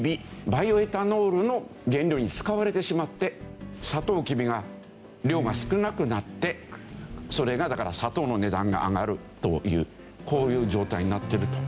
バイオエタノールの原料に使われてしまってさとうきびが量が少なくなってそれがだから砂糖の値段が上がるというこういう状態になってると。